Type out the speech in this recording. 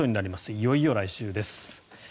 いよいよ来週です。